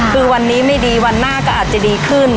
คือวันนี้ไม่ดีวันหน้าก็อาจจะดีขึ้น